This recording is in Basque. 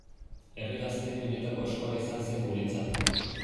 Herri Gaztedi benetako eskola izan zen guretzat.